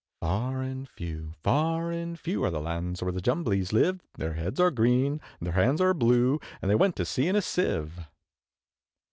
Far and few, far and few, Are the lands where the Jumblies live; Their heads are green, and their hands are blue, And they went to sea in a Sieve.